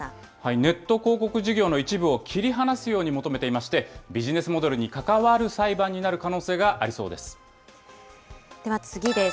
ネット広告事業の一部を切り離すように求めていまして、ビジネスモデルに関わる裁判になる可能性がありそうです。